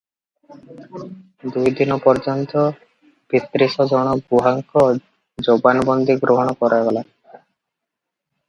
ଦୁଇଦିନ ପର୍ଯ୍ୟନ୍ତ ବତ୍ରିଶ ଜଣ ଗୁହାଙ୍କ ଜବାନବନ୍ଦୀ ଗ୍ରହଣ କରାଗଲା ।